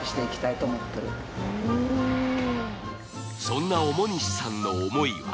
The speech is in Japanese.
そんな表西さんの思いは